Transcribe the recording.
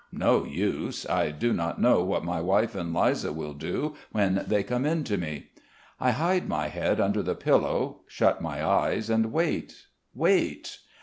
No use. I do not know what my wife and Liza will do when they come in to me. I hide my head under the pillow, shut my eyes and wait, wait....